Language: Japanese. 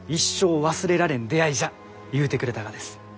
ゆうてくれたがです。